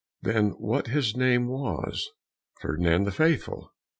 Then what his name was? "Ferdinand the Faithful."